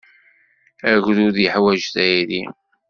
Agrud yeḥwaj tayri.